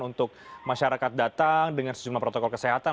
untuk masyarakat datang dengan sejumlah protokol kesehatan